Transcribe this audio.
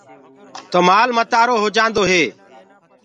تو مآل متآرو هو جآندو هي۔